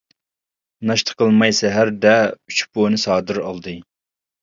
ناشتا قىلماي سەھەردە، ئۈچ پونى سادىر ئالدى.